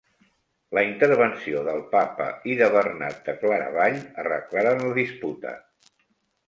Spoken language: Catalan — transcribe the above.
La intervenció del Papa i de Bernat de Claravall arreglaren la disputa.